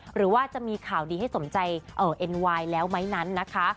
หรือว่าจะมีข่าวดีให้สมใจเอ็นไวน์แล้วไหมนั้นนะคะ